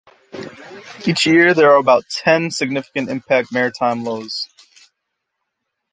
Each year there are about ten "significant impact" maritime lows.